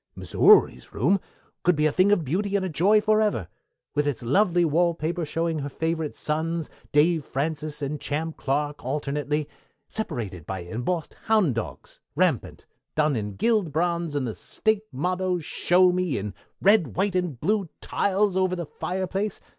Missouri's room could be made a thing of beauty and a joy forever, with its lovely wall paper showing her favorite sons, Dave Francis and Champ Clark alternately, separated by embossed hound dogs, rampant, done in gilt bronze, and the State motto, Show Me, in red, white, and blue tiles over the fireplace.